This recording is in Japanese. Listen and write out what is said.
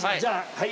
はい。